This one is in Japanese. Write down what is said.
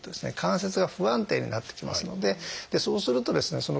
関節が不安定になってきますのでそうするとですね